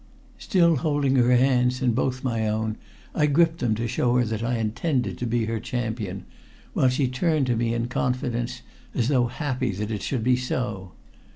Still holding her hands in both my own I gripped them to show her that I intended to be her champion, while she turned to me in confidence as though happy that it should be so.